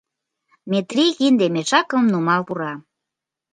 Метрий кинде мешакым нумал пура.